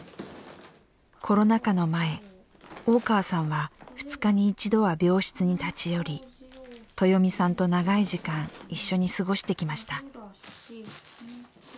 コロナ禍の前、大川さんは２日に一度は病室に立ち寄りトヨミさんと長い時間一緒に過ごしてきました。